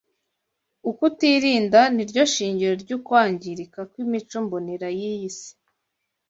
Ukutirinda ni ryo shingiro ry’ukwangirika kw’imico mbonera y’iyi si